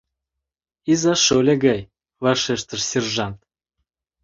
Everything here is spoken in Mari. — Иза-шольо гай! — вашештыш сержант.